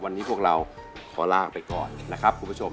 วันนี้พวกเราขอลาไปก่อนนะครับคุณผู้ชม